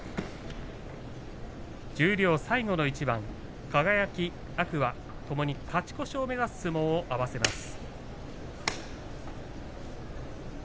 十両、最後の一番、輝、天空海ともに勝ち越しを目指す相撲を合わせます。